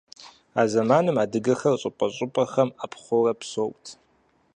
А зэманым адыгэхэр щӀыпӀэ-щӀыпӀэхэм Ӏэпхъуэурэ псэут.